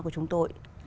của chúng tôi